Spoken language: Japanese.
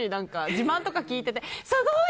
自慢とか聞いててすごい！